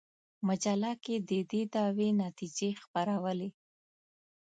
مجله کې د دې دعوې نتیجې خپرولې.